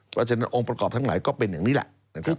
เพราะฉะนั้นองค์ประกอบทั้งหลายก็เป็นอย่างนี้แหละนะครับ